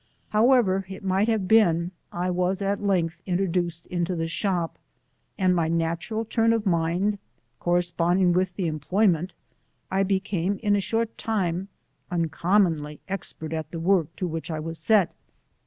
However it might have been, I was at length introduced into the shop, and my natnral turn of mind corresponding with the employment, I became in a short time uncommonly expert at the work to which I was set.